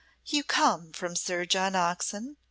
"You come from Sir John Oxon?"